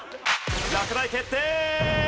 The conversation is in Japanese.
落第決定！